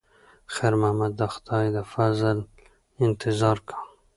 خیر محمد د خدای د فضل انتظار کاوه.